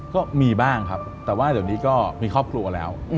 ก็มีบ้างครับแต่ว่าเดี๋ยวนี้ก็มีครอบครัวแล้ว